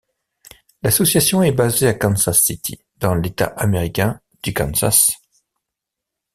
L'association est basée à Kansas City, dans l'État américain du Kansas.